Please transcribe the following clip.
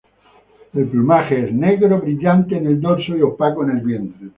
El plumaje es negro, brillante en el dorso y opaco en el vientre.